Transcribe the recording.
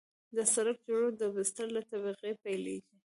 د سرک جوړول د بستر له طبقې پیلیږي